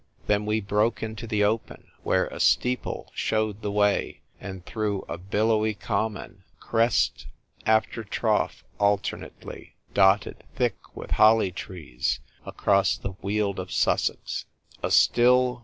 Then we broke into the open, where a steeple showed the way, and through a billowy common, crest 52 THE TYPE WRITER GIRL. after trough alternately, dotted thick with holly trees, across the Weald of Sussex. A still.